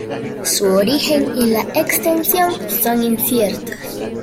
Su origen y la extensión son inciertos.